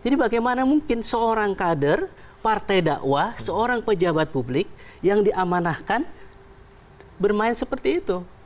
jadi bagaimana mungkin seorang kader partai dakwah seorang pejabat publik yang diamanahkan bermain seperti itu